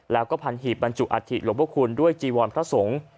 แล้วก็พันหีบบรรจุอัฐิหลวงพระคุณด้วยจีวรพระสงฆ์